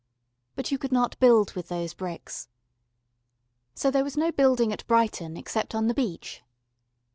But you could not build with those bricks. So there was no building at Brighton except on the beach.